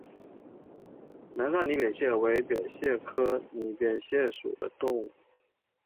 南沙拟扁蟹为扁蟹科拟扁蟹属的动物。